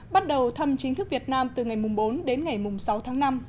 bắt đầu thăm chính thức việt nam từ ngày bốn đến ngày sáu tháng năm